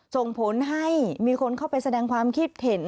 ส่งผลให้มีคนเข้าไปแสดงความคิดเห็น